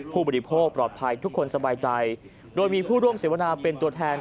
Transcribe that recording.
ผู้บริโภคปลอดภัยทุกคนสบายใจโดยมีผู้ร่วมเสวนาเป็นตัวแทน